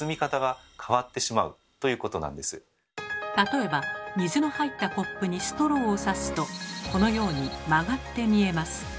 例えば水の入ったコップにストローをさすとこのように曲がって見えます。